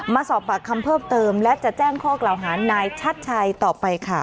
มาสอบปากคำเพิ่มเติมและจะแจ้งข้อกล่าวหานายชัดชัยต่อไปค่ะ